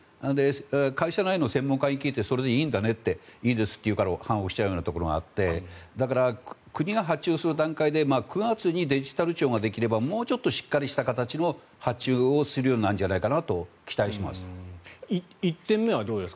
会社内の専門家にそれでいいんだね？と聞いていいですというから判を押しちゃうようなところがあってだから、国が発注する段階で９月にデジタル庁ができればもう少ししっかりした形の発注をするようになるのではと期待しています。